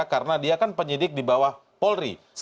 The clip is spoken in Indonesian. karena dia kan penyidik di bawah polri